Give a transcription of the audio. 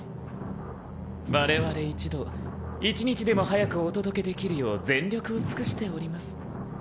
我々一同一日でも早くお届けできるよう全力を尽くしております